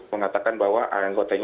mengatakan bahwa anggotanya